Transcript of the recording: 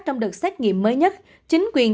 trong đợt xét nghiệm mới nhất chính quyền